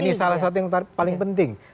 ini salah satu yang paling penting